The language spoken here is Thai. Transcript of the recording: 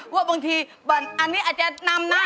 ว่าบางทีอันนี้อาจจะนำนะ